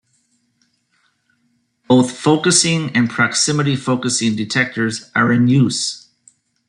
Both focusing and proximity-focusing detectors are in use.